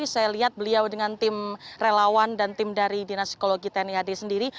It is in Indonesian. saya lihat beliau dengan tim relawan dan tim dari dinas psikologi tni ad sendiri